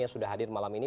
yang sudah hadir malam ini